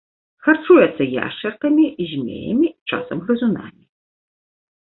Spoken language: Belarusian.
Харчуецца яшчаркамі, змеямі, часам грызунамі.